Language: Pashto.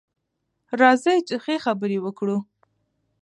راځئ چې ښه خبرې وکړو.